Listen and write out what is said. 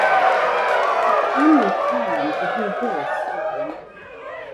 His family farmed and he grew up helping.